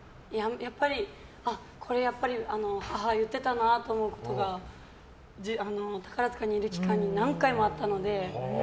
これ母が言ってたなっていうことが宝塚にいる期間に何回もあったので。